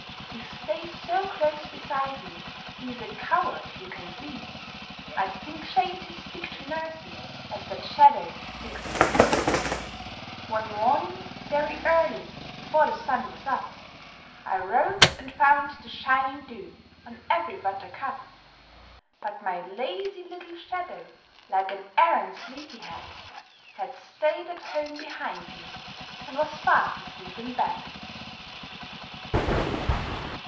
He stays so close beside me, he's a coward you can see; I'd think shame to stick to nursie as that shadow sticks to me! MY SHADOW [Pg 21] One morning, very early, before the sun was up, I rose and found the shining dew on every buttercup; But my lazy little shadow, like an arrant sleepy head, Had stayed at home behind me and was fast asleep in bed.